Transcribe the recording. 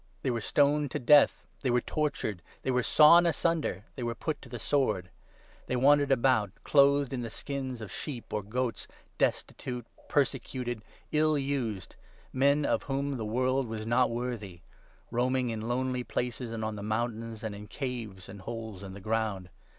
They were stoned to 37 death, they were tortured, they were sawn asunder, they were put to the sword ; they wandered about clothed in the skins of sheep or goats, destitute, persecuted, ill used — men of 38 whom the world was not worthy — roaming in lonely places, and on the mountains, and in caves and holes in the ground.